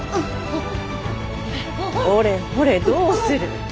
ほれほれどうする？